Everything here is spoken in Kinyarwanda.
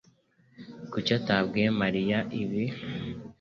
Kuki atabwiye Mariya ibi?